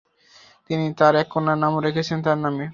তিনি তাঁর এক কন্যার নামও রেখেছিলেন তাঁর নামে।